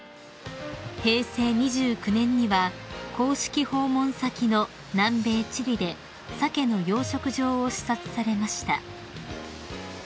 ［平成２９年には公式訪問先の南米チリでサケの養殖場を視察されました］